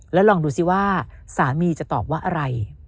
แล้วลองดูซิว่าสามีจะตอบว่าอะไร